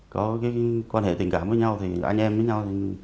có cái quan hệ tình cảm với nhau thì anh em với nhau